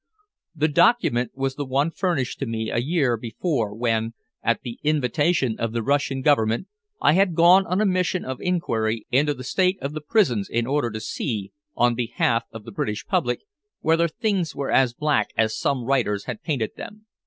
The document was the one furnished to me a year before when, at the invitation of the Russian Government, I had gone on a mission of inquiry into the state of the prisons in order to see, on behalf of the British public, whether things were as black as some writers had painted them.